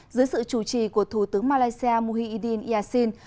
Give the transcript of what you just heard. dưới sự chủ trì của thủ tướng malaysia muhyidin yassin